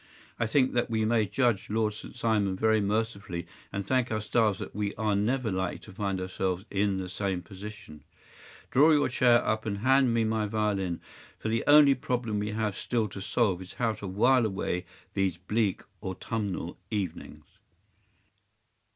I think that we may judge Lord St. Simon very mercifully, and thank our stars that we are never likely to find ourselves in the same position. Draw your chair up, and hand me my violin, for the only problem we have still to solve is how to while away these bleak autumnal evenings.